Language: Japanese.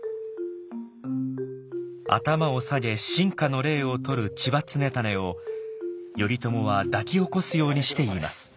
頭を下げ臣下の礼をとる千葉常胤を頼朝は抱き起こすようにして言います。